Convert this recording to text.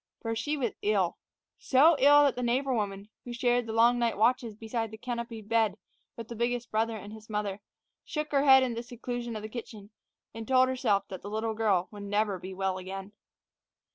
For she was ill: so ill that the neighbor woman, who shared the long night watches beside the canopied bed with the biggest brother and his mother, shook her head in the seclusion of the kitchen, and told herself that the little girl would never be well again.